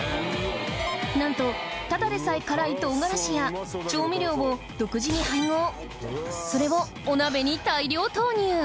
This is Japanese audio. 何とただでさえ辛い唐辛子や調味料を独自に配合それをお鍋に大量投入